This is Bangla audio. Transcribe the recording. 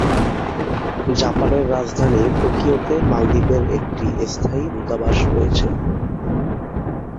জাপানের রাজধানী টোকিওতে মালদ্বীপের একটি স্থায়ী দূতাবাস রয়েছে।